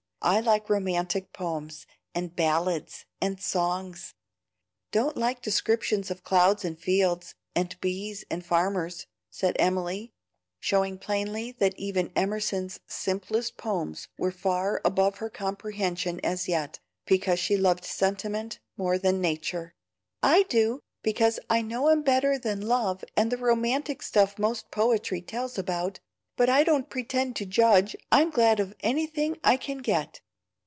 I like romantic poems, and ballads, and songs; don't like descriptions of clouds and fields, and bees, and farmers," said Emily, showing plainly that even Emerson's simplest poems were far above her comprehension as yet, because she loved sentiment more than Nature. "I do, because I know 'em better than love and the romantic stuff most poetry tells about. But I don't pretend to judge, I'm glad of anything I can get.